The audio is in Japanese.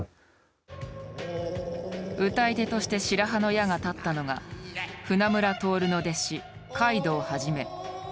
歌い手として白羽の矢が立ったのが船村徹の弟子海道はじめ。